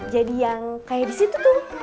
jadi yang kayak disitu tuh